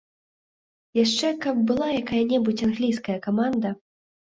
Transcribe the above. Яшчэ каб была якая-небудзь англійская каманда.